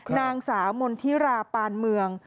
นางสาวมณฑิราปานเมือง